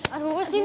aduh gue sini